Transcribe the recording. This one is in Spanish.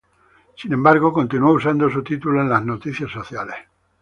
Sin embargo continuó usando su título en las noticias sociales.